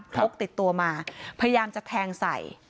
พกติดตัวมาพยายามจะแทงใส่